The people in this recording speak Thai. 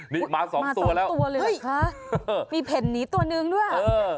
นี่หมา๒ตัวแล้วฮะมีเพ็ดหนีตัวหนึ่งด้วยอ่ะ